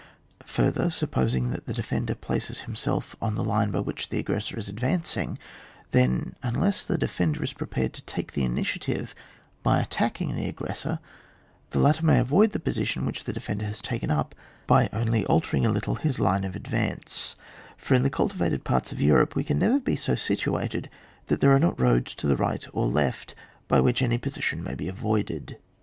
Further, supposing the defender places himself on the line by which the aggressor is advancing, then, unless the defender is prepared to take the initiative by at tacking the aggressor, the latter may avoid the position which the defender has taken up, by only altering a little his line of advance, for in the cidtivated parts of Europe we can never be so situated that there are not roads to the right or left by which any position may be avoided.